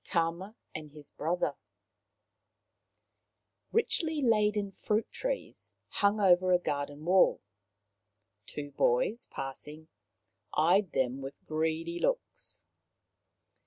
TAMA AND HIS BROTHER Richly laden fruit trees hung over a garden wall. Two boys, passing, eyed them with greedy looks.